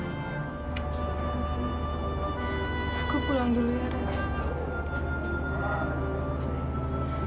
aku pulang dulu ya resto